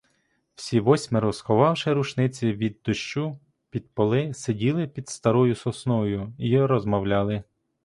Всі восьмеро, сховавши рушниці від дощу під поли, сиділи під старою сосною й розмовляли.